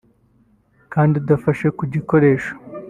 kandi udafashe ku gikoresho